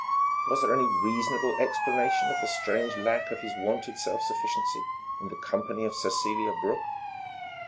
Was there any reasonable explanation of the strange lack of his wonted self sufficiency in the company of Cecelia Brooke?